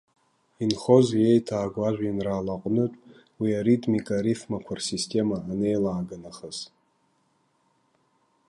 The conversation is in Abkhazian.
Инхозеи еиҭааго ажәеинраала аҟнытә уи аритмика, арифмақәа рсистема анеилаага нахыс?